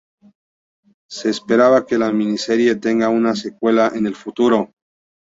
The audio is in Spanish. Se espera que la miniserie tenga una secuela en el futuro.